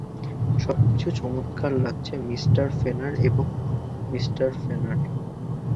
সবকিছু চমৎকার লাগছে, মিস্টার ফেনার এবং মিস্টার ফেনার।